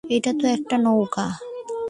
এটা তো একটা নৌকা।